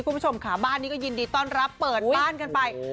คุณผู้ชมค่ะบ้านนี้ก็ยินดีต้อนรับเปิดบ้านกันไป